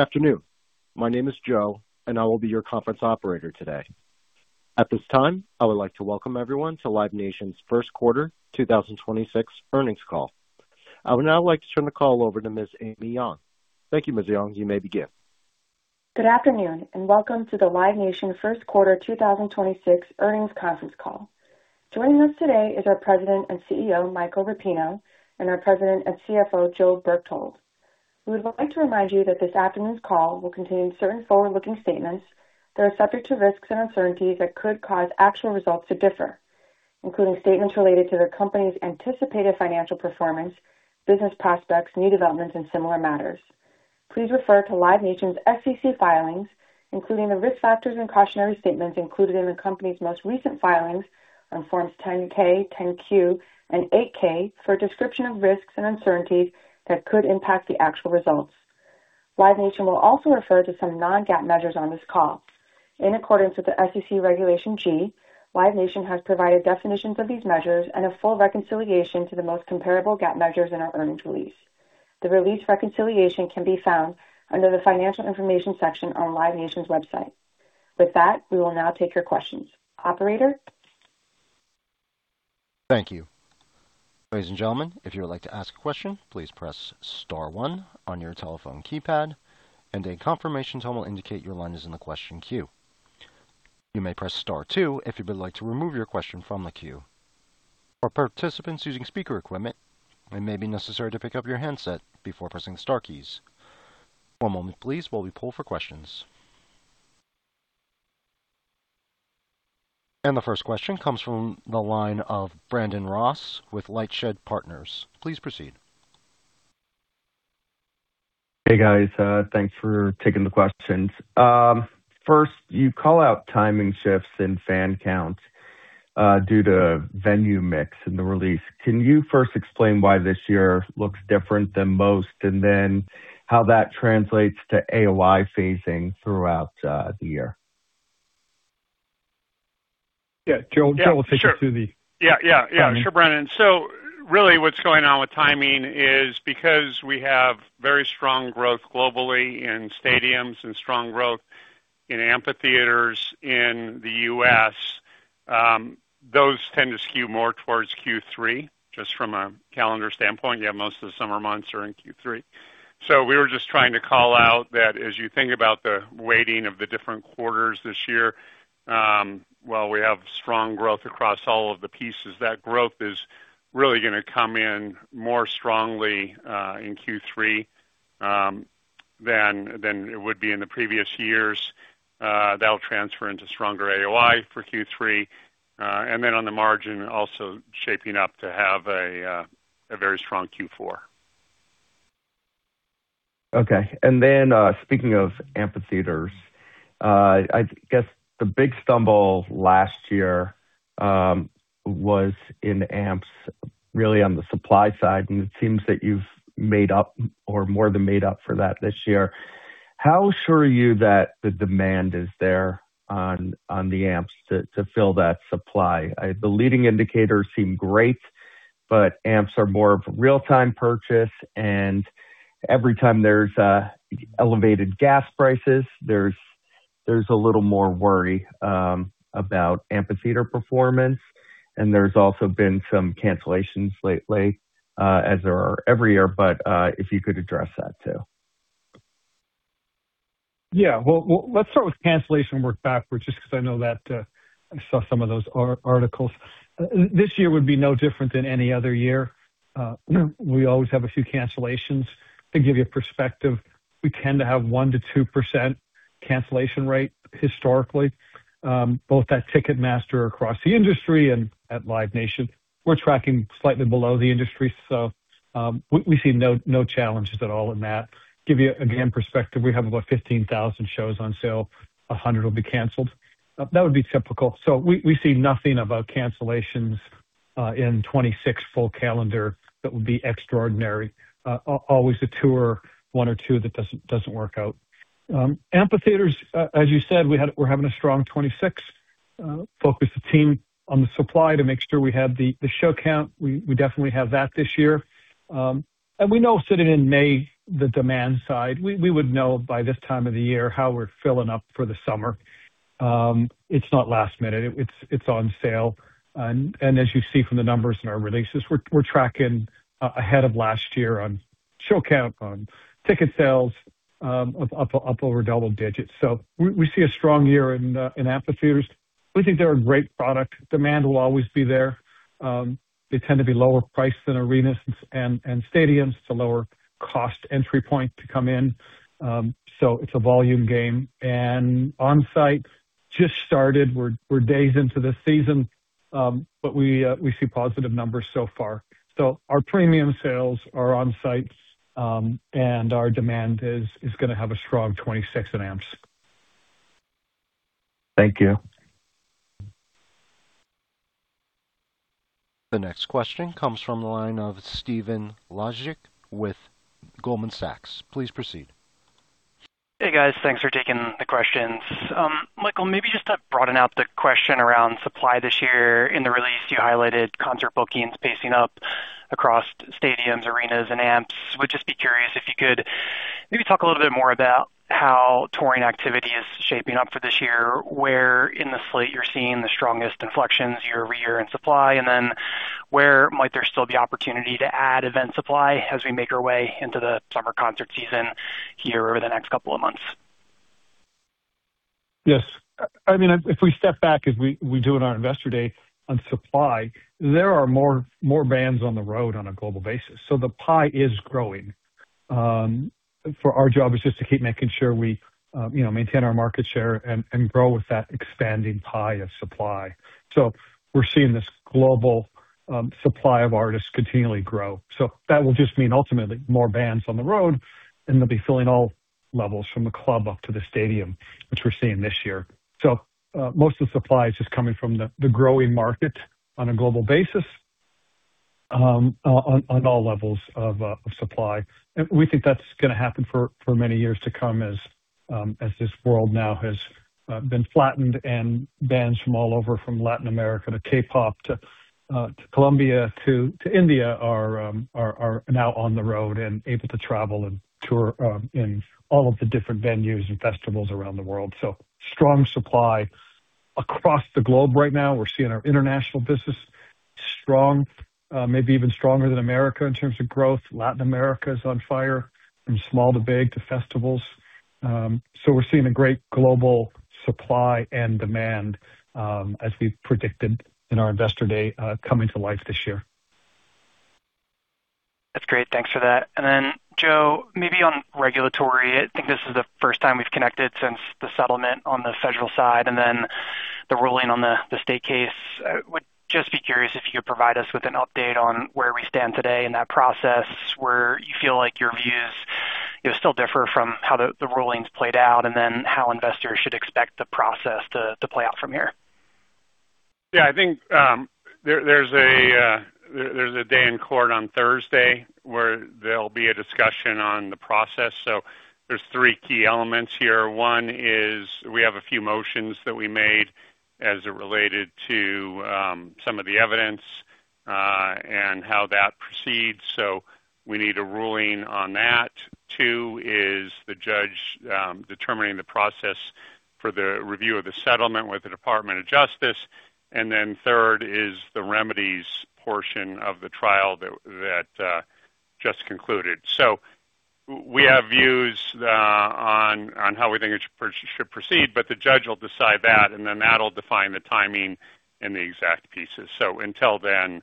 Afternoon. My name is Joe, and I will be your conference operator today. At this time, I would like to welcome everyone to Live Nation's First Quarter 2026 Earnings Call. I would now like to turn the call over to Ms. Amy Yong. Thank you, Ms. Yong. You may begin. Good afternoon, and welcome to the Live Nation First Quarter 2026 Earnings Conference Call. Joining us today is our President and CEO, Michael Rapino, and our President and CFO, Joe Berchtold. We would like to remind you that this afternoon's call will contain certain forward-looking statements that are subject to risks and uncertainties that could cause actual results to differ, including statements related to the company's anticipated financial performance, business prospects, new developments, and similar matters. Please refer to Live Nation's SEC filings, including the risk factors and cautionary statements included in the company's most recent filings on forms 10-K, 10-Q, and 8-K for a description of risks and uncertainties that could impact the actual results. Live Nation will also refer to some non-GAAP measures on this call. In accordance with the SEC Regulation G, Live Nation has provided definitions of these measures and a full reconciliation to the most comparable GAAP measures in our earnings release. The release reconciliation can be found under the Financial Information section on Live Nation's website. With that, we will now take your questions. Operator? Thank you. Ladies and gentlemen, if you would like to ask a question, please press star one on your telephone keypad. A confirmation will indicate your line is in the question queue. You may press star two if you would like to remove your question from the queue. Our participants using speaker at limit, it may be necessary to pick up your handset before pressing star keys. One moment please while we pull for questions. The first question comes from the line of Brandon Ross with LightShed Partners. Please proceed. Hey, guys. Thanks for taking the questions. First, you call out timing shifts in fan counts due to venue mix in the release. Can you first explain why this year looks different than most, and then how that translates to AOI phasing throughout the year? Yeah. Joe, do you want to take us through? Yeah. Yeah, sure. Timing. Yeah. Yeah. Sure, Brandon. Really what's going on with timing is because we have very strong growth globally in stadiums and strong growth in amphitheaters in the U.S. Those tend to skew more towards Q3 just from a calendar standpoint. Most of the summer months are in Q3. We were just trying to call out that as you think about the weighting of the different quarters this year, while we have strong growth across all of the pieces, that growth is really gonna come in more strongly in Q3 than it would be in the previous years. That will transfer into stronger AOI for Q3. Then on the margin, also shaping up to have a very strong Q4. Okay. Speaking of amphitheaters, I guess the big stumble last year was in amps, really on the supply side, and it seems that you've made up or more than made up for that this year. How sure are you that the demand is there on the amps to fill that supply? The leading indicators seem great. Amps are more of a real-time purchase. Every time there's elevated gas prices, there's a little more worry about amphitheater performance. There's also been some cancellations lately, as there are every year. If you could address that too. Let's start with cancellation and work backwards just because I know that I saw some of those articles. This year would be no different than any other year. We always have a few cancellations. To give you a perspective, we tend to have a 1%-2% cancellation rate historically, both at Ticketmaster across the industry and at Live Nation. We're tracking slightly below the industry, we see no challenges at all in that. Give you, again, perspective, we have about 15,000 shows on sale, a hundred will be canceled. That would be typical. We see nothing about cancellations in 2026 full calendar that would be extraordinary. Always a tour, one or two, that doesn't work out. Amphitheaters, as you said, we're having a strong 2026. Focused the team on the supply to make sure we have the show count. We definitely have that this year. We know sitting in May, the demand side. We would know by this time of the year how we're filling up for the summer. It's not last minute. It's on sale. As you see from the numbers in our releases, we're tracking ahead of last year on show count, on ticket sales, up over double digits. We see a strong year in amphitheaters. We think they're a great product. Demand will always be there. They tend to be lower priced than arenas and stadiums. It's a lower cost entry point to come in, so it's a volume game. On-site just started. We're days into the season. We see positive numbers so far. Our premium sales, our on-sites, and our demand is gonna have a strong 2026 in amps. Thank you. The next question comes from the line of Stephen Laszczyk with Goldman Sachs. Please proceed. Hey, guys. Thanks for taking the questions. Michael, maybe just to broaden out the question around supply this year. In the release, you highlighted concert bookings pacing up. Across stadiums, arenas, and amps. Would just be curious if you could maybe talk a little bit more about how touring activity is shaping up for this year, where in the slate you're seeing the strongest inflections year-over-year in supply, and then where might there still be opportunity to add event supply as we make our way into the summer concert season here over the next couple of months? Yes. I mean, if we step back as we do in our Investor Day on supply, there are more bands on the road on a global basis. The pie is growing. For our job is just to keep making sure we, you know, maintain our market share and grow with that expanding pie of supply. We're seeing this global supply of artists continually grow. That will just mean ultimately more bands on the road, and they'll be filling all levels from the club up to the stadium, which we're seeing this year. Most of the supply is just coming from the growing market on a global basis on all levels of supply. We think that's gonna happen for many years to come as this world now has been flattened and bands from all over, from Latin America to K-pop to Colombia to India are now on the road and able to travel and tour in all of the different venues and festivals around the world. Strong supply across the globe right now. We're seeing our international business strong, maybe even stronger than America in terms of growth. Latin America is on fire from small to big, to festivals. We're seeing a great global supply and demand as we predicted in our Investor Day coming to life this year. That's great. Thanks for that. Then, Joe, maybe on regulatory, I think this is the first time we've connected since the settlement on the federal side and then the ruling on the state case. Would just be curious if you could provide us with an update on where we stand today in that process, where you feel like your views, you know, still differ from how the rulings played out, and how investors should expect the process to play out from here. I think there's a day in court on Thursday where there'll be a discussion on the process. There's three key elements here. One is we have a few motions that we made as it related to some of the evidence and how that proceeds. We need a ruling on that. Two is the judge determining the process for the review of the settlement with the Department of Justice. Third is the remedies portion of the trial that just concluded. We have views on how we think it should proceed, but the judge will decide that, and then that'll define the timing and the exact pieces. Until then,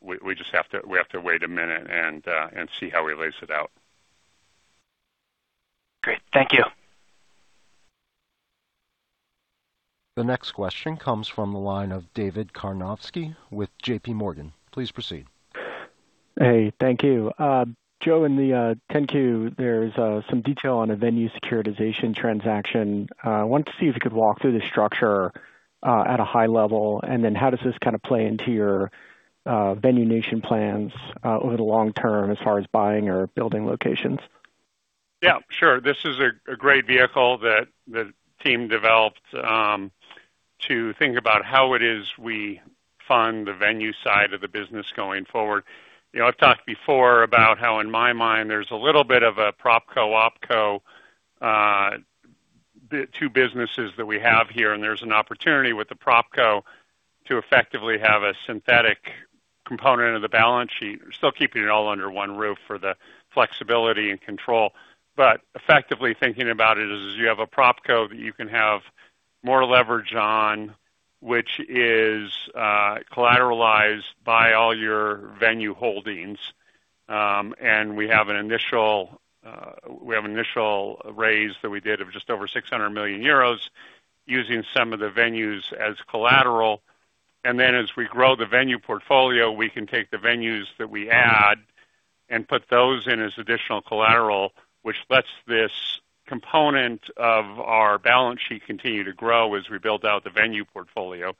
we just have to wait a minute and see how he lays it out. Great. Thank you. The next question comes from the line of David Karnovsky with JPMorgan. Please proceed. Hey, thank you. Joe, in the 10-Q, there's some detail on a venue securitization transaction. Wanted to see if you could walk through the structure, at a high level, and then how does this kind of play into your Venue Nation plans, over the long term as far as buying or building locations? Yeah, sure. This is a great vehicle that the team developed to think about how it is we fund the venue side of the business going forward. You know, I've talked before about how in my mind there's a little bit of a PropCo/OpCo, the two businesses that we have here, and there's an opportunity with the PropCo to effectively have a synthetic component of the balance sheet. We're still keeping it all under one roof for the flexibility and control. Effectively thinking about it is you have a PropCo that you can have more leverage on, which is collateralized by all your venue holdings. We have an initial, we have initial raise that we did of just over 600 million euros using some of the venues as collateral. Then as we grow the venue portfolio, we can take the venues that we add and put those in as additional collateral, which lets this component of our balance sheet continue to grow as we build out the venue portfolio.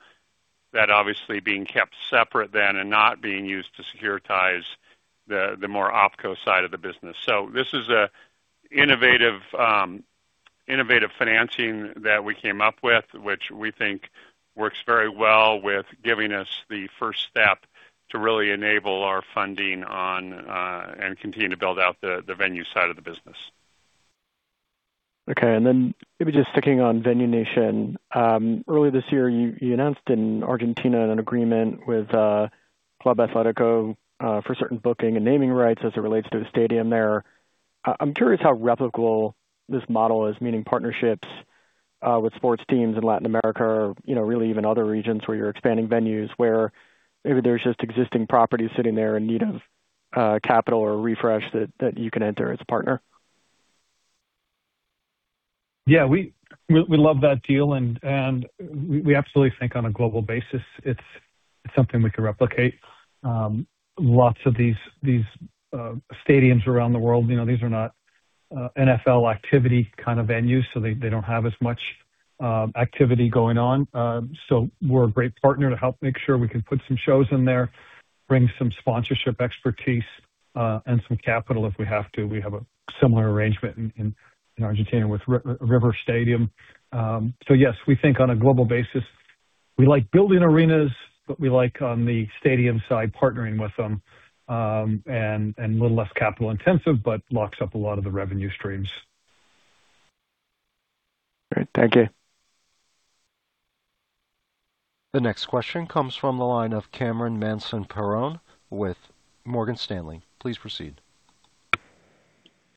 That obviously being kept separate then and not being used to securitize the more OpCo side of the business. This is a innovative financing that we came up with, which we think works very well with giving us the first step to really enable our funding on and continue to build out the venue side of the business. Okay. Then maybe just sticking on Venue Nation. Earlier this year, you announced in Argentina an agreement with Club Atlético for certain booking and naming rights as it relates to the stadium there. I'm curious how replicable this model is, meaning partnerships with sports teams in Latin America or, you know, really even other regions where you're expanding venues where maybe there's just existing properties sitting there in need of capital or refresh that you can enter as a partner. Yeah. We love that deal and we absolutely think on a global basis it's something we could replicate. Lots of these stadiums around the world, you know, these are not NFL activity kind of venues, so they don't have as much activity going on. We're a great partner to help make sure we can put some shows in there, bring some sponsorship expertise. Some capital if we have to. We have a similar arrangement in Argentina with River Stadium. Yes, we think on a global basis, we like building arenas, but we like on the stadium side, partnering with them, and a little less capital intensive, but locks up a lot of the revenue streams. All right. Thank you. The next question comes from the line of Cameron Mansson-Perrone with Morgan Stanley. Please proceed.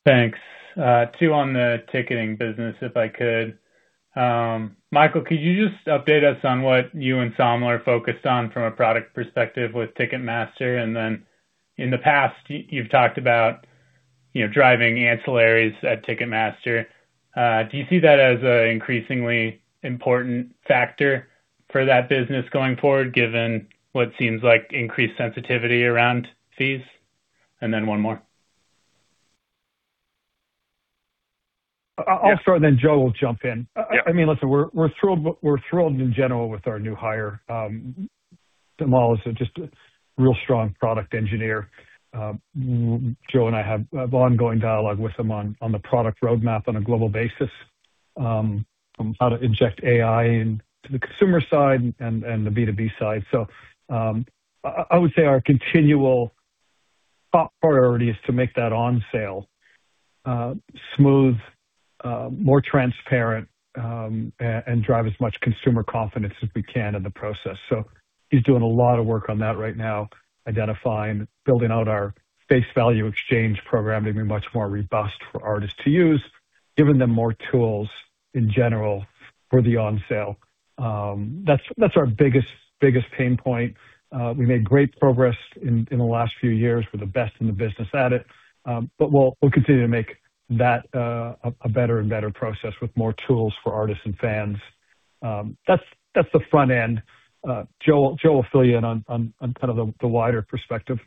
Thanks. Two on the ticketing business, if I could. Michael, could you just update us on what you and Samal are focused on from a product perspective with Ticketmaster? In the past, you've talked about, you know, driving ancillaries at Ticketmaster. Do you see that as an increasingly important factor for that business going forward, given what seems like increased sensitivity around fees? One more. I'll start, then Joe will jump in. Yeah. I mean, listen, we're thrilled in general with our new hire. Samal is just a real strong product engineer. Joe and I have ongoing dialogue with him on the product roadmap on a global basis on how to inject AI into the consumer side and the B2B side. I would say our continual top priority is to make that on sale smooth, more transparent, and drive as much consumer confidence as we can in the process. He's doing a lot of work on that right now, identifying, building out our face value exchange program to be much more robust for artists to use, giving them more tools in general for the on sale. That's our biggest pain point. We made great progress in the last few years. We're the best in the business at it. We'll continue to make that a better and better process with more tools for artists and fans. That's the front end. Joe will fill you in on kind of the wider perspective.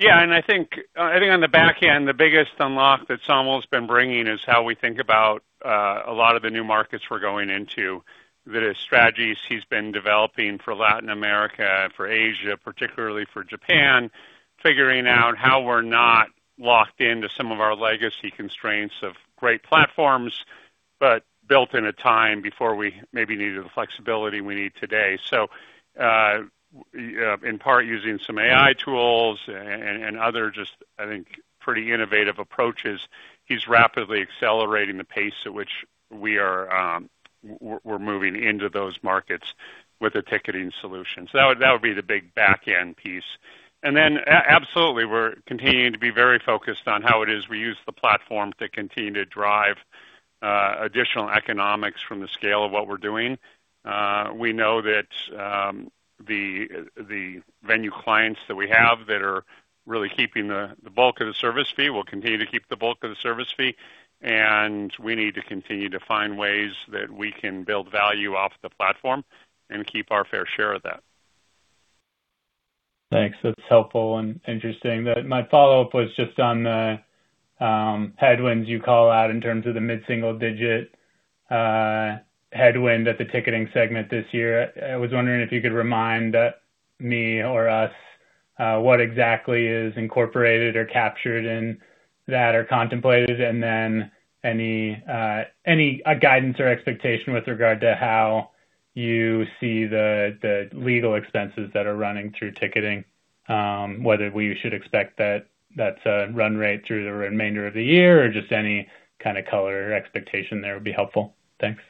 Yeah. I think on the back end, the biggest unlock that Samal's been bringing is how we think about a lot of the new markets we're going into. The strategies he's been developing for Latin America and for Asia, particularly for Japan, figuring out how we're not locked into some of our legacy constraints of great platforms, but built in a time before we maybe needed the flexibility we need today. In part using some AI tools and other just, I think, pretty innovative approaches. He's rapidly accelerating the pace at which we are moving into those markets with a ticketing solution. That would be the big back-end piece. Absolutely, we're continuing to be very focused on how it is we use the platform to continue to drive additional economics from the scale of what we're doing. We know that the venue clients that we have that are really keeping the bulk of the service fee will continue to keep the bulk of the service fee, and we need to continue to find ways that we can build value off the platform and keep our fair share of that. Thanks. That's helpful and interesting. My follow-up was just on the headwinds you call out in terms of the mid-single digit headwind at the ticketing segment this year. I was wondering if you could remind me or us what exactly is incorporated or captured in that or contemplated, and then any guidance or expectation with regard to how you see the legal expenses that are running through ticketing, whether we should expect that that's a run rate through the remainder of the year or just any kind of color or expectation there would be helpful. Thanks.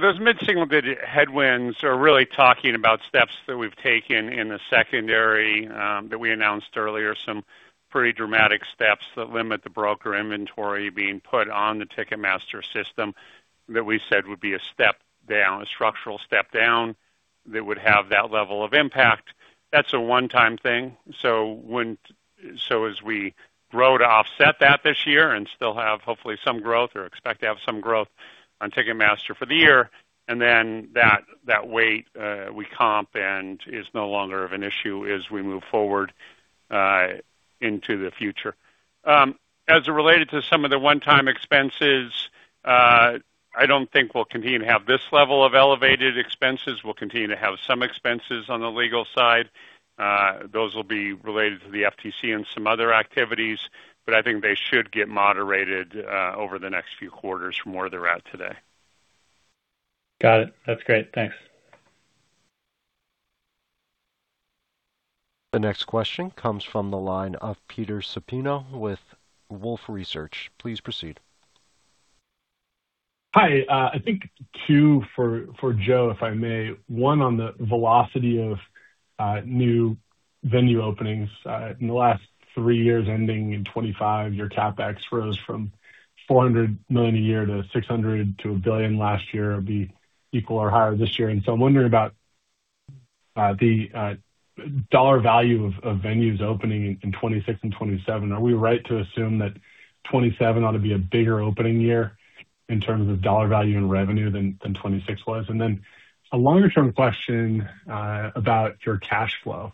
Those mid-single digit headwinds are really talking about steps that we've taken in the secondary, that we announced earlier, some pretty dramatic steps that limit the broker inventory being put on the Ticketmaster system that we said would be a step down, a structural step down that would have that level of impact. That's a one-time thing. As we grow to offset that this year and still have, hopefully, some growth or expect to have some growth on Ticketmaster for the year, and then that weight, we comp and is no longer of an issue as we move forward into the future. As it related to some of the one-time expenses, I don't think we'll continue to have this level of elevated expenses. We'll continue to have some expenses on the legal side. Those will be related to the FTC and some other activities. I think they should get moderated over the next few quarters from where they're at today. Got it. That's great. Thanks. The next question comes from the line of Peter Supino with Wolfe Research. Please proceed. Hi. I think two for Joe, if I may. One on the velocity of new venue openings. In the last three years ending in 2025, your CapEx rose from $400 million a year to $600 to $1 billion last year. It'll be equal or higher this year. I'm wondering about the dollar value of venues opening in 2026 and 2027. Are we right to assume that 2027 ought to be a bigger opening year in terms of dollar value and revenue than 2026 was? Then a longer-term question about your cash flow.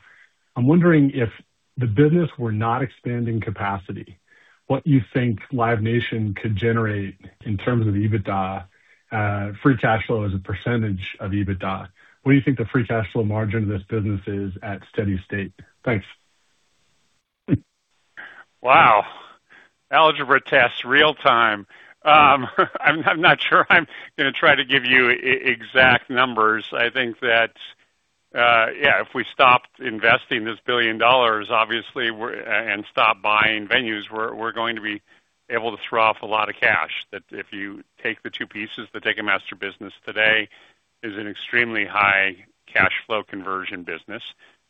I'm wondering if the business were not expanding capacity, what you think Live Nation could generate in terms of EBITDA, free cash flow as a percentage of EBITDA. What do you think the free cash flow margin of this business is at steady state? Thanks. Wow. Algebra test real time. I'm not sure I'm gonna try to give you exact numbers. I think that, yeah, if we stopped investing this billion dollars, obviously and stop buying venues, we're going to be able to throw off a lot of cash. That if you take the two pieces, the Ticketmaster business today is an extremely high cash flow conversion business.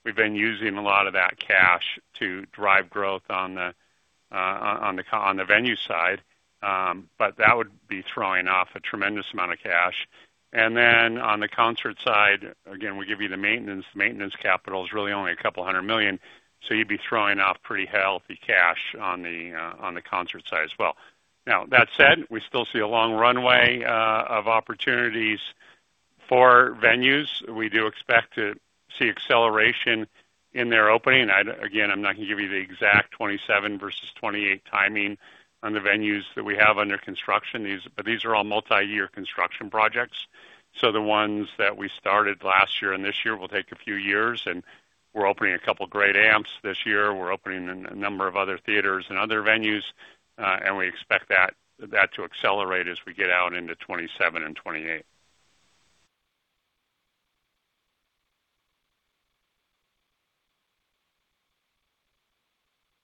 We've been using a lot of that cash to drive growth on the venue side. That would be throwing off a tremendous amount of cash. On the concert side, again, we give you the maintenance. Maintenance capital is really only a couple of million, so you'd be throwing off pretty healthy cash on the concert side as well. That said, we still see a long runway of opportunities for venues. We do expect to see acceleration in their opening. Again, I'm not gonna give you the exact 27 versus 28 timing on the venues that we have under construction. These are all multi-year construction projects. The ones that we started last year and this year will take a few years, and we're opening a couple great amps this year. We're opening a number of other theaters and other venues, and we expect that to accelerate as we get out into 27 and 28.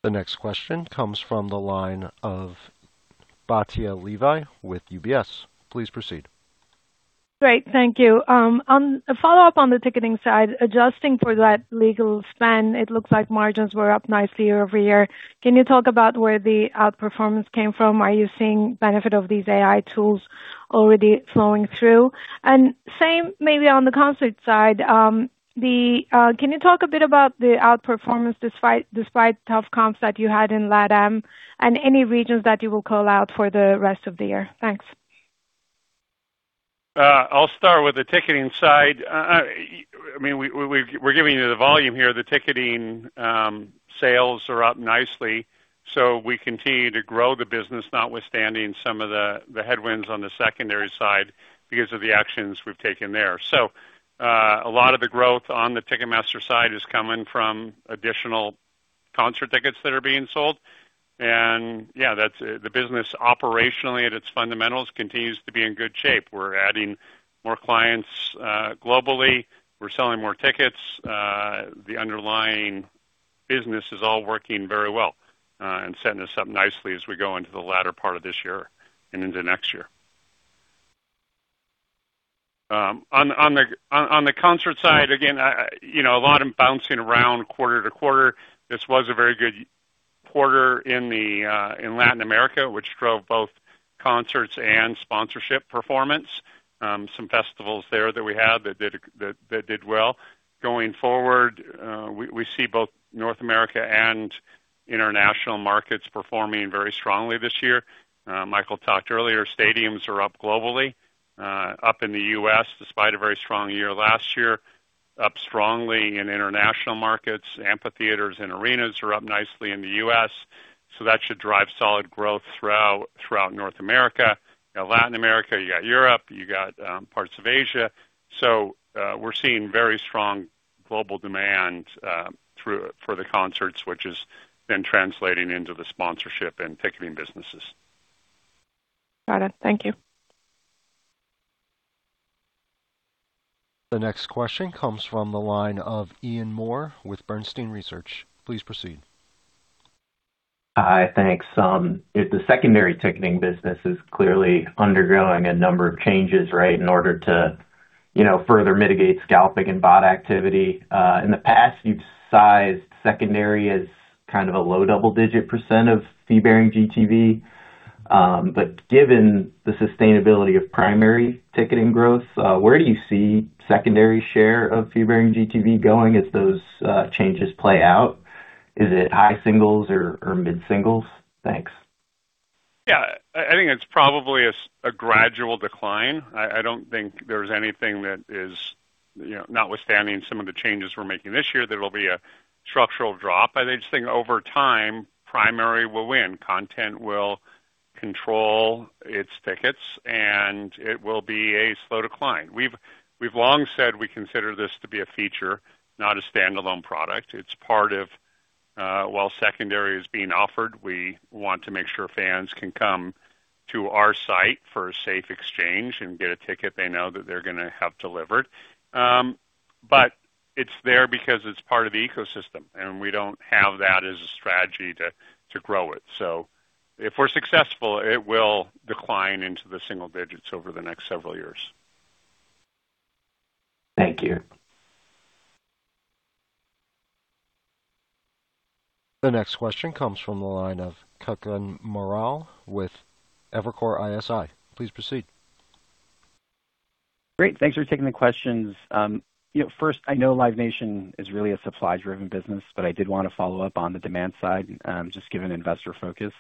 The next question comes from the line of Batya Levi with UBS. Please proceed. Great. Thank you. On a follow-up on the ticketing side, adjusting for that legal spend, it looks like margins were up nicely year-over-year. Can you talk about where the outperformance came from? Are you seeing benefit of these AI tools already flowing through? Same maybe on the concert side. Can you talk a bit about the outperformance despite tough comps that you had in LATAM and any regions that you will call out for the rest of the year? Thanks. I'll start with the ticketing side. I mean, we're giving you the volume here. The ticketing sales are up nicely. We continue to grow the business, notwithstanding some of the headwinds on the secondary side because of the actions we've taken there. A lot of the growth on the Ticketmaster side is coming from additional concert tickets that are being sold. Yeah, that's it. The business operationally at its fundamentals continues to be in good shape. We're adding more clients globally. We're selling more tickets. The underlying business is all working very well and setting us up nicely as we go into the latter part of this year and into next year. On the concert side, again, you know, a lot of bouncing around quarter to quarter. This was a very good quarter in Latin America, which drove both concerts and sponsorship performance. Some festivals there that we had that did well. Going forward, we see both North America and international markets performing very strongly this year. Michael talked earlier, stadiums are up globally, up in the U.S. despite a very strong year last year. Up strongly in international markets. Amphitheaters and arenas are up nicely in the U.S., that should drive solid growth throughout North America. You know, Latin America, you got Europe, you got parts of Asia. We're seeing very strong global demand for the concerts, which has been translating into the sponsorship and ticketing businesses. Got it. Thank you. The next question comes from the line of Ian Moore with Bernstein Research. Please proceed. Hi. Thanks. The secondary ticketing business is clearly undergoing a number of changes, right? In order to, you know, further mitigate scalping and bot activity. In the past, you've sized secondary as kind of a low double-digit percent of fee-bearing GTV. Given the sustainability of primary ticketing growth, where do you see secondary share of fee-bearing GTV going as those changes play out? Is it high singles or mid-singles? Thanks. Yeah. I think it's probably a gradual decline. I don't think there's anything that is, you know, notwithstanding some of the changes we're making this year, there will be a structural drop. I just think over time, primary will win. Content will control its tickets. It will be a slow decline. We've long said we consider this to be a feature, not a standalone product. It's part of, while secondary is being offered, we want to make sure fans can come to our site for a safe exchange and get a ticket they know that they're gonna have delivered. It's there because it's part of the ecosystem. We don't have that as a strategy to grow it. If we're successful, it will decline into the single digits over the next several years. Thank you. The next question comes from the line of Kutgun Maral with Evercore ISI. Please proceed. Great. Thanks for taking the questions. You know, first, I know Live Nation is really a supply-driven business, but I did want to follow up on the demand side, just given investor focus.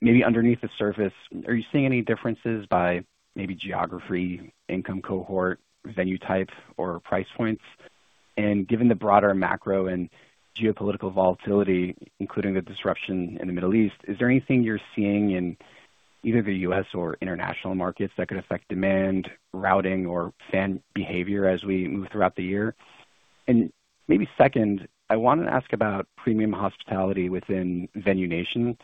Maybe underneath the surface, are you seeing any differences by maybe geography, income cohort, venue type, or price points? Given the broader macro and geopolitical volatility, including the disruption in the Middle East, is there anything you're seeing either the U.S. or international markets that could affect demand, routing, or fan behavior as we move throughout the year. Maybe second, I want to ask about premium hospitality within Venue Nation.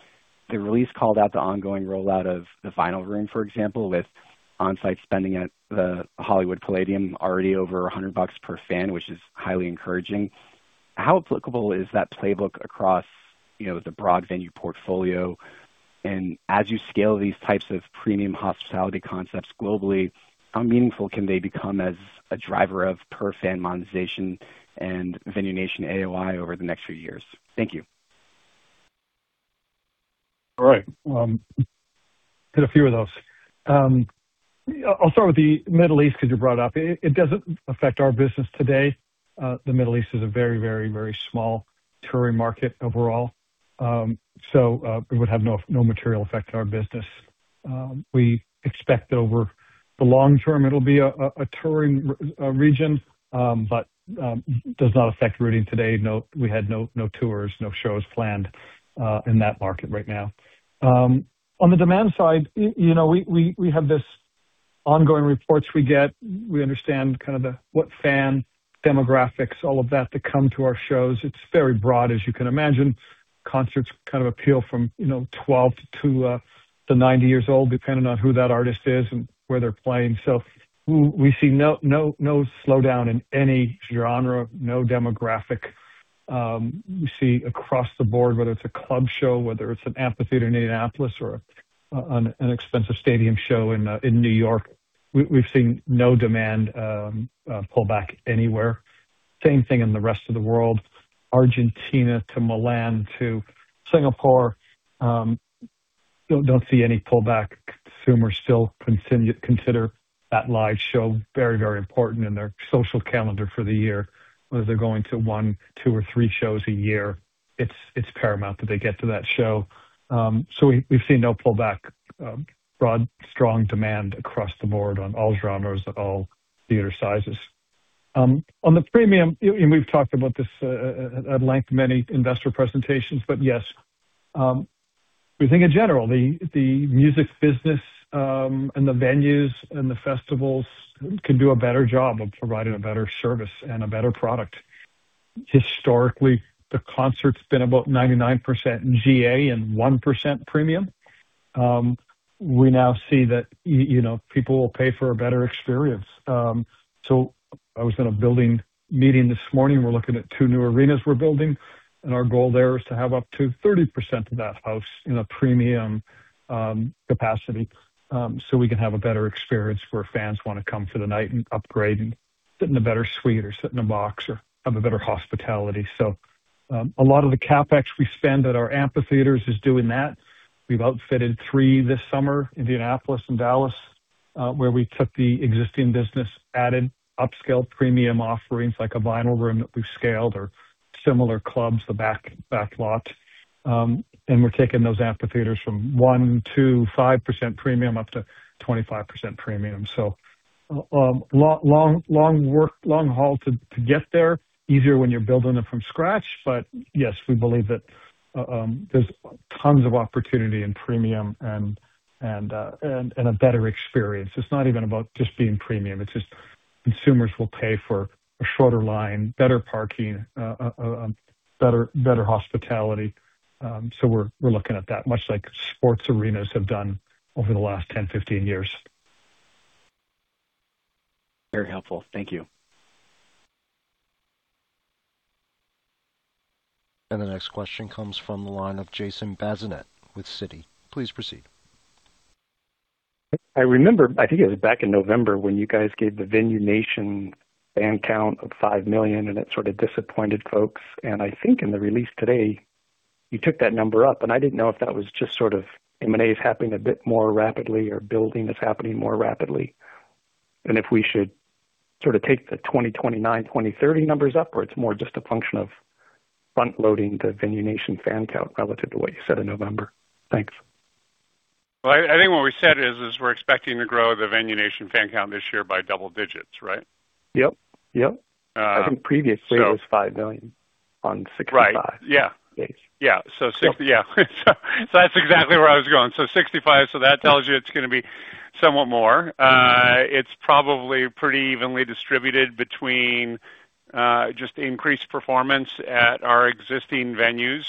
The release called out the ongoing rollout of the Vinyl Room, for example, with on-site spending at the Hollywood Palladium already over a hundred bucks per fan, which is highly encouraging. How applicable is that playbook across, you know, the broad venue portfolio? As you scale these types of premium hospitality concepts globally, how meaningful can they become as a driver of per fan monetization and Venue Nation AOI over the next few years? Thank you. All right. hit a few of those. I'll start with the Middle East because you brought it up. It doesn't affect our business today. The Middle East is a very, very, very small touring market overall. It would have no material effect on our business. We expect over the long term, it'll be a touring region, but does not affect routing today. We had no tours, no shows planned in that market right now. On the demand side, you know, we have this ongoing reports we get. We understand kind of the, what fan demographics, all of that come to our shows. It's very broad. As you can imagine, concerts kind of appeal from, you know, 12 to 90 years old, depending on who that artist is and where they're playing. We see no slowdown in any genre, no demographic. We see across the board, whether it's a club show, whether it's an amphitheater in Indianapolis or an expensive stadium show in New York, we've seen no demand pull back anywhere. Same thing in the rest of the world. Argentina to Milan to Singapore, don't see any pullback. Consumers still consider that live show very important in their social calendar for the year, whether they're going to one, two, or three shows a year. It's paramount that they get to that show. We've seen no pullback. Broad, strong demand across the board on all genres, all theater sizes. On the premium, and we've talked about this at length in many investor presentations, yes, we think in general, the music business, and the venues and the festivals can do a better job of providing a better service and a better product. Historically, the concert's been about 99% GA and 1% premium. We now see that you know, people will pay for a better experience. I was in a building meeting this morning. We're looking at two new arenas we're building, our goal there is to have up to 30% of that house in a premium capacity, so we can have a better experience where fans wanna come for the night and upgrade and sit in a better suite or sit in a box or have a better hospitality. A lot of the CapEx we spend at our amphitheaters is doing that. We've outfitted three this summer, Indianapolis and Dallas, where we took the existing business, added upscale premium offerings like a Vinyl Room that we've scaled or similar clubs, the Backlot. We're taking those amphitheaters from 1% to 5% premium up to 25% premium. Long work, long haul to get there. Easier when you're building it from scratch. Yes, we believe that there's tons of opportunity in premium and a better experience. It's not even about just being premium. It's just consumers will pay for a shorter line, better parking, better hospitality. We're looking at that, much like sports arenas have done over the last 10, 15 years. Very helpful. Thank you. The next question comes from the line of Jason Bazinet with Citi. Please proceed. I remember, I think it was back in November, when you guys gave the Venue Nation fan count of 5 million. It sort of disappointed folks. I think in the release today, you took that number up. I didn't know if that was just sort of M&A is happening a bit more rapidly or building is happening more rapidly, and if we should sort of take the 2029, 2030 numbers up, or it's more just a function of front-loading the Venue Nation fan count relative to what you said in November. Thanks. Well, I think what we said is we're expecting to grow the Venue Nation fan count this year by double digits, right? Yep. Yep. Uh, so- I think previously it was $5 million on 65. Right. Yeah. Base. Yeah. Yeah. That's exactly where I was going. 65, so that tells you it's going to be somewhat more. It's probably pretty evenly distributed between just increased performance at our existing venues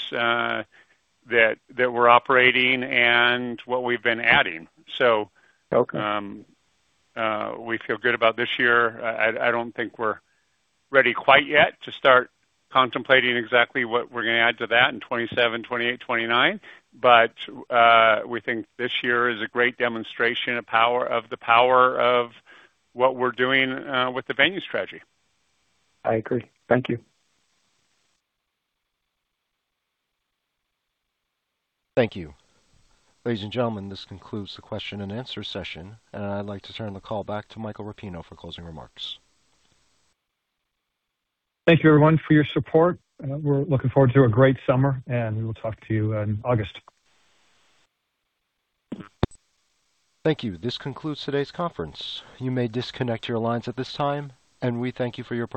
that we're operating and what we've been adding. Okay. We feel good about this year. I don't think we're ready quite yet to start contemplating exactly what we're gonna add to that in 2027, 2028, 2029. We think this year is a great demonstration of the power of what we're doing, with the venues strategy. I agree. Thank you. Thank you. Ladies and gentlemen, this concludes the question and answer session. I'd like to turn the call back to Michael Rapino for closing remarks. Thank you everyone for your support. We're looking forward to a great summer, and we will talk to you in August. Thank you. This concludes today's conference. You may disconnect your lines at this time, and we thank you for your participation.